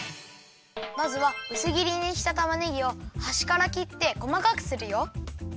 まずはうすぎりにしたたまねぎをはしからきってこまかくするよ。